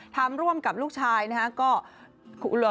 ทำร่วมกับลูกชายนะครับ